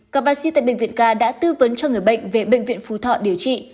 các bác sĩ tại bệnh viện k đã tư vấn cho người bệnh về bệnh viện phú thọ điều trị